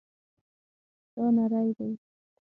دا نری دی